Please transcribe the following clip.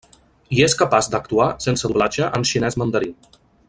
I és capaç d'actuar sense doblatge en xinès mandarí.